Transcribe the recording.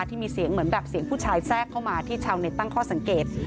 ที่มีเสียงเหมือนแบบเสียงผู้ชายแทรกเข้ามาที่ชาวเน็ตตั้งข้อสังเกต